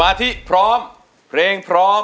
จะใช้หรือไม่ใช้ครับ